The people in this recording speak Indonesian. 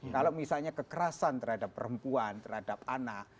kalau misalnya kekerasan terhadap perempuan terhadap anak